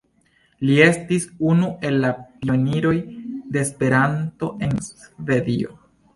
Li estis unu el la pioniroj de Esperanto en Svedio.